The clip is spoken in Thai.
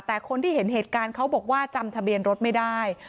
แต่คนที่เห็นเหตุการณ์เขาบอกว่าจำทะเบียนรถไม่ได้